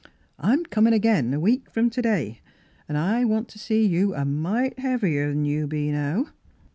I'm comin' again a week from to day, an' I wan't t' see you a mite heavier 'an you be now."